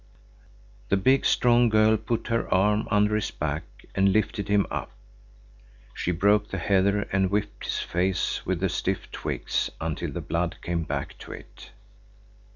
The big, strong girl put her arm under his back and lifted him up. She broke the heather and whipped his face with the stiff twigs until the blood came back to it.